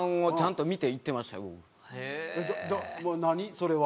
それは。